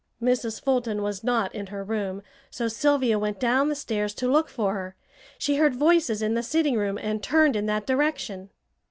Mrs. Fulton was not in her room, so Sylvia went down the stairs to look for her. She heard voices in the sitting room, and turned in that direction.